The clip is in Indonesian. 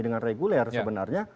dengan reguler sebenarnya